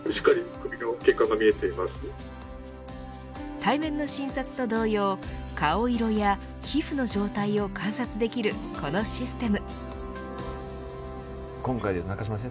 対面の診察と同様顔色や皮膚の状態を観察できるこのシステム。